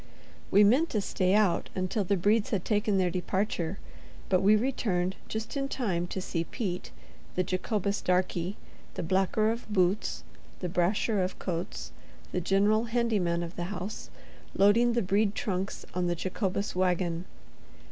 We meant to stay out until the Bredes had taken their departure; but we returned just in time to see Pete, the Jacobus darkey, the blacker of boots, the brasher of coats, the general handy man of the house, loading the Brede trunks on the Jacobus wagon.